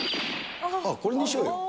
これにしようよ。